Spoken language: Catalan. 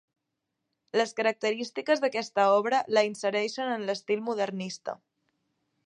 Les característiques d'aquesta obra la insereixen en l'estil modernista.